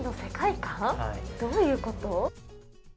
どういうこと？